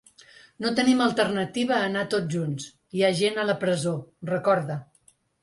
No tenim alternativa a anar tots junts, hi ha gent a la presó, recorda.